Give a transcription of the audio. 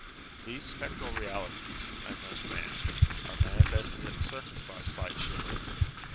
These spectral realities, unknown to man, are manifested at the surface by a slight shiver.